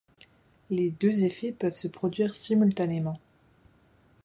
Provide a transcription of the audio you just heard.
Les deux effets peuvent se produire simultanément.